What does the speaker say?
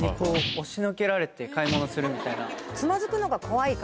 押しのけられて買い物するみたいな。